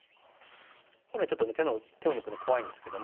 本来ちょっとね手を抜くの怖いんですけども。